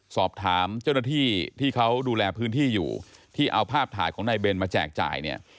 สอบถามเจ้าหน้าที่ที่เขาดูแลพื้นที่อยู่ที่เอาภาพถ่ายของนายเบนมาแจกจ่ายเนี่ย